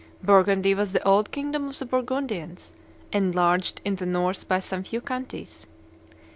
Burgundy was the old kingdom of the Burgundians, enlarged in the north by some few counties.